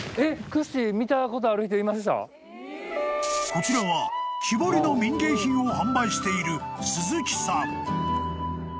［こちらは木彫りの民芸品を販売している］